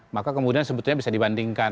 maka kemudian sebetulnya bisa dibandingkan